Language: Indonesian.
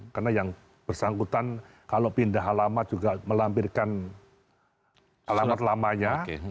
karena yang bersangkutan kalau pindah halaman juga melampirkan halaman lamanya